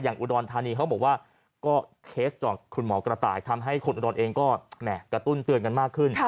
อย่างอุดรทานีเขาบอกว่าเคสของคุณหมอกระต่ายทำให้คนอุดรเองกระตุ้นเตือนกันมากขึ้น